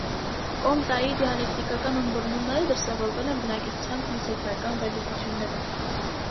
Կոնտայի դիալեկտիկական ըմբռնումները դրսևորվել են բնագիտության փիլիսոփայական վերլուծություններում։